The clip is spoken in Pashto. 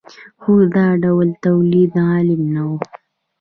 خو دا ډول تولید غالب نه و.